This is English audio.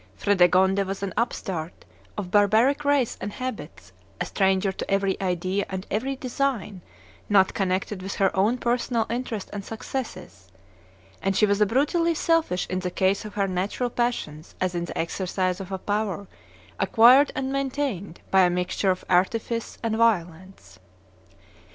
Fredegonde was an upstart, of barbaric race and habits, a stranger to every idea and every design not connected with her own personal interest and successes; and she was as brutally selfish in the case of her natural passions as in the exercise of a power acquired and maintained by a mixture of artifice and violence.